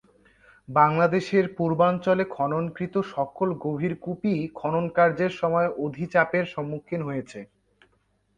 বাংলাদেশের পূর্বাঞ্চলে খননকৃত সকল গভীর কূপই খননকার্যের সময় অধিচাপের সম্মুখীন হয়েছে।